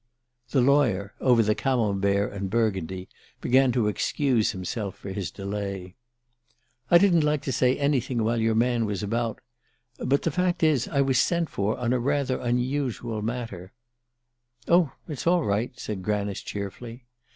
The lawyer, over the Camembert and Burgundy, began to excuse himself for his delay. "I didn't like to say anything while your man was about but the fact is, I was sent for on a rather unusual matter " "Oh, it's all right," said Granice cheerfully.